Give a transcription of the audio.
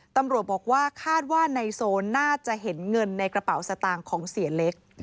ตำรวจบอกว่าคาดว่าในโซนน่าจะเห็นเงินในกระเป๋าสตางค์ของเสียเล็ก